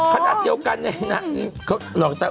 คณะเดียวกันหน่อยนะ